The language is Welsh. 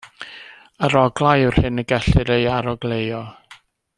Aroglau yw'r hyn y gellir ei arogleuo.